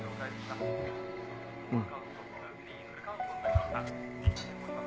うん。